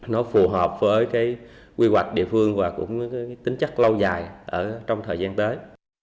nó phù hợp với cái quy hoạch địa phương và cũng tính chắc lâu dài trong thời gian tới